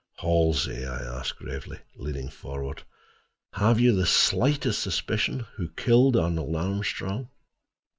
"Halsey," I asked gravely, leaning forward, "have you the slightest suspicion who killed Arnold Armstrong?